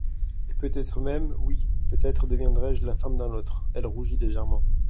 Et peut-être même … oui, peut-être deviendrai-je la femme d'un autre.» Elle rougit légèrement.